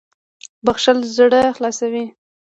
• بښل زړه خلاصوي.